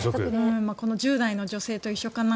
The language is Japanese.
この１０代の女性と一緒かな。